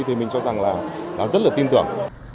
thì mình cho rằng là rất là tin tưởng